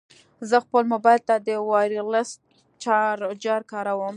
زه خپل مبایل ته د وایرلیس چارجر کاروم.